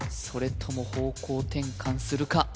それとも方向転換するか？